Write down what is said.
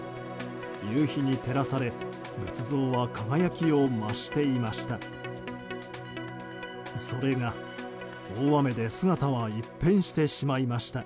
夕日に照らされ仏像は輝きを増していました。